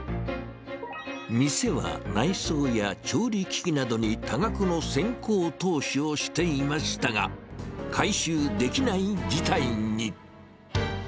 店は内装や調理機器などに多額の先行投資をしていましたが、回収できない事態に。